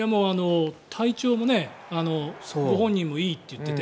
体調もご本人もいいと言っていて。